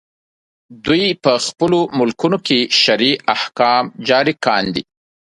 دوی په خپلو ملکونو کې شرعي احکام جاري کاندي.